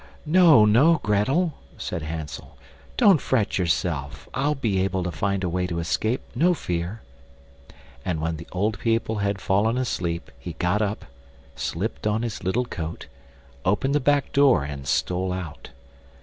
"No, no, Grettel," said Hansel, "don't fret yourself; I'll be able to find a way to escape, no fear." And when the old people had fallen asleep he got up, slipped on his little coat, opened the back door and stole out.